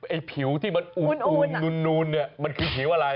ไอ้ผิวที่มันอุ่มนูนเนี่ยมันคือผิวอะไร